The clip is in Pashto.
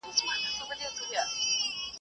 د هسک پلار تصور وروسته را منځته سوی دی